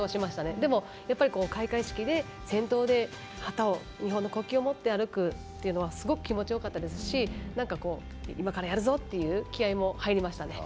でも開会式で先頭で日本の国旗を持って歩くのはすごく気持ちよかったですし今からやるぞっていう気合いも入りました。